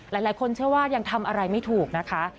หลายคนเชื่อว่ายังทำอะไรไม่ถูกนะคะ